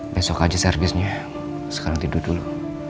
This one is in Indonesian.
besok aja servisnya sekarang tidur dulu